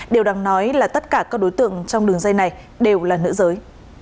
điều đáng nói là tất cả các đối tượng trong đường dây này đều là nữ giới